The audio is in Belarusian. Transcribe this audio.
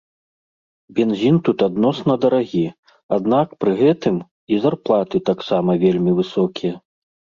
Бензін тут адносна дарагі, аднак, пры гэтым і зарплаты таксама вельмі высокія.